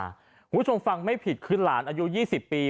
คุณผู้ชมฟังไม่ผิดคือหลานอายุ๒๐ปี